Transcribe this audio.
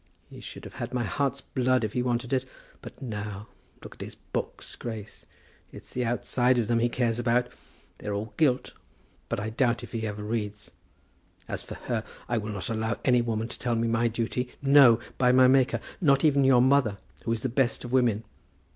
He should have had my heart's blood if he wanted it. But now; look at his books, Grace. It's the outside of them he cares about. They are all gilt, but I doubt if he ever reads. As for her, I will not allow any woman to tell me my duty. No; by my Maker; not even your mother, who is the best of women.